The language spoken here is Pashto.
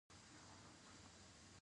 آیا کاناډا د کښتیو جوړولو صنعت نلري؟